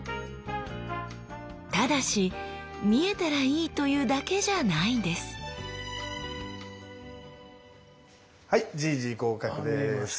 ただし見えたらいいというだけじゃないんですはいじいじ合格です。